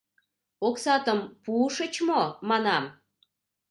Оксатым пуышыч мо, манам?